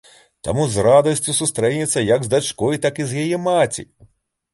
Таму з радасцю сустрэнецца як з дачкой, так і з яе маці.